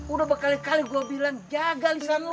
udah berkali kali gue bilang jaga lisan lo